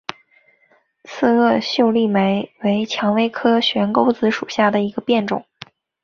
刺萼秀丽莓为蔷薇科悬钩子属下的一个变种。